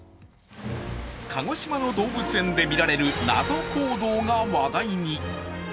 鹿児島の動物園で見られる謎行動が話題に。